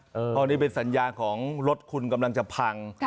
เพราะนี่เป็นสัญญาณของรถคุณกำลังจะพัง